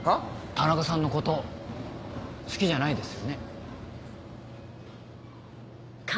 田中さんのこと好きじゃないですよね？